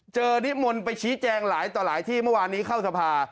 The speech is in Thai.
นิมนต์ไปชี้แจงหลายต่อหลายที่เมื่อวานนี้เข้าสภา